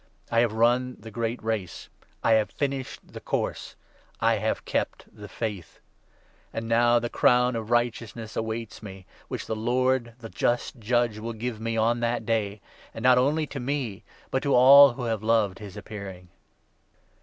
I have run the great 7 Race ; I have finished the Course ; I have kept the Faith. And 8 now the crown of righteousness awaits me, which the Lord, the just Judge, will give me on ' That Day '— and not only to me, but to all who have loved his Appearing.